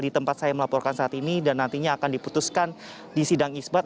di tempat saya melaporkan saat ini dan nantinya akan diputuskan di sidang isbat